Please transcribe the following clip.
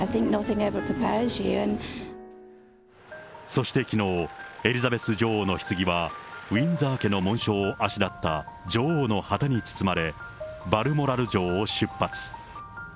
そしてきのう、エリザベス女王のひつぎは、ウインザー家の紋章をあしらった女王の旗に包まれ、バルモラル城を出発。